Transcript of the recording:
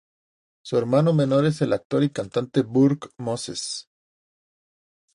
Su hermano menor es el actor y cantante Burke Moses.